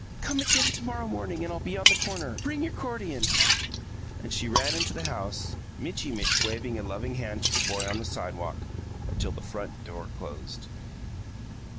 Come again to morrow morning and I'll be on the corner. Bring your 'cordion!" And she ran into the house, Mitchy Mitch waving a loving hand to the boy on the sidewalk until the front door closed.